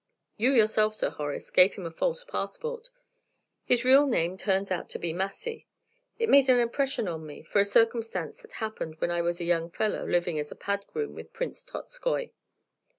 You yourself, Sir Horace, gave him a false passport; his real name turns out to be Massy: it made an impression on me, from a circumstance that happened when I was a young fellow living as pad groom with Prince Tottskoy.